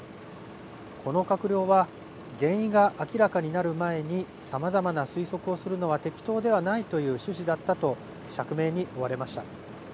この閣僚は原因が明らかになる前にさまざまな推測をするのは適当ではないという趣旨だったと釈明に追われました。